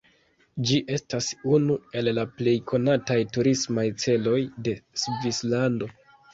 Ĝi estas unu el la plej konataj turismaj celoj de Svislando.